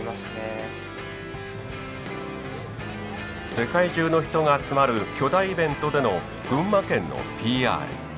世界中の人が集まる巨大イベントでの群馬県のＰＲ。